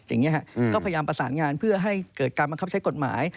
อย่างนี้ฮะก็พยายามประสานงานเพื่อให้เกิดการบังคับใช้กฎหมาย